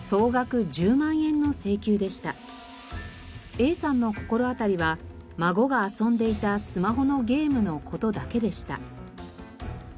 Ａさんの心当たりは孫が遊んでいたスマホのゲームの事だけでした。